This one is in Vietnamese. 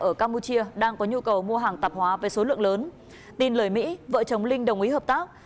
ở campuchia đang có nhu cầu mua hàng tạp hóa với số lượng lớn tin lời mỹ vợ chồng linh đồng ý hợp tác